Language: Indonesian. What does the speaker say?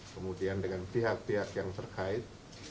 kemudian dengan pihak pihak yang terkait